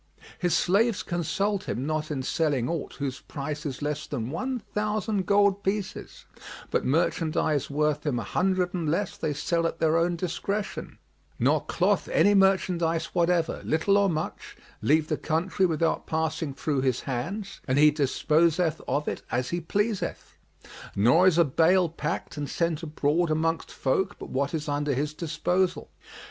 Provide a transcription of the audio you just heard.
His slaves consult him not in selling aught whose price is less than one thousand gold pieces, but merchandise worth him an hundred and less they sell at their own discretion; nor cloth any merchandise whatever, little or much, leave the country without passing through his hands and he disposeth of it as he pleaseth; nor is a bale packed and sent abroad amongst folk but what is under his disposal.